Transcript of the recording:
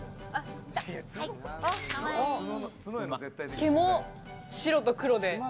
毛も白と黒で。